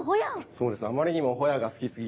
そうですね。